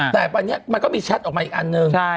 แต่วันนี้มันก็มีแชทออกมาอีกอันหนึ่ง